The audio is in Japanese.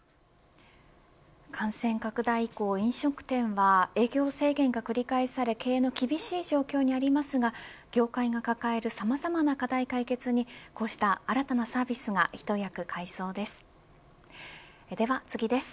感染拡大以降、飲食店は営業制限が繰り返され経営の厳しい状況にありますが業界の抱えるさまざまな課題解決にこうした新たなサービスが一役買いそうです。